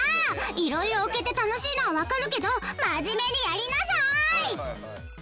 色々置けて楽しいのはわかるけど真面目にやりなさい！